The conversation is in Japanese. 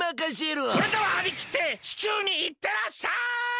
それでははりきって地球にいってらっしゃい！